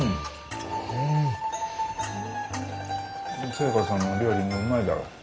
寿恵子さんの料理もうまいだろう？